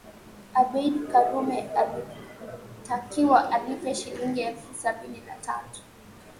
Abeid Karume alitakiwa alipe Shilingi elfu sabini na tatu